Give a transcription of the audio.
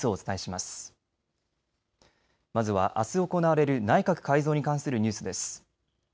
まずはあす行われる内閣改造に関するニュースです。